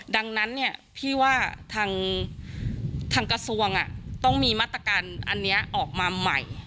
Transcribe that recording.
ดังนั้นเนี่ยพี่ว่าทางกระทรวงต้องมีมาตรการอันนี้ออกมาใหม่